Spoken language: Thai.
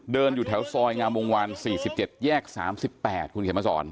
เดินอยู่แถวซอยงามวงวันสี่สิบเจ็ดแยกสามสิบแปดคุณเขตมสอน